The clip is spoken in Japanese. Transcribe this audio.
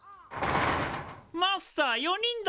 マスター４人だ。